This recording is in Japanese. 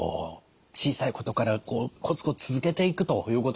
小さいことからコツコツ続けていくということが大事。